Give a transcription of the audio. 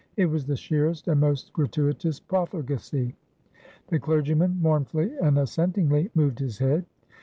It was the sheerest and most gratuitous profligacy." The clergyman mournfully and assentingly moved his head.